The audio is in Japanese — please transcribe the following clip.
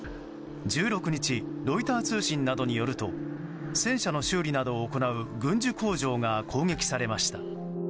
１６日ロイター通信などによると戦車の修理などを行う軍需工場が攻撃されました。